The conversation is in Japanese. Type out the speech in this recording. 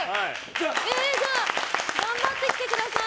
じゃあ頑張ってきてください！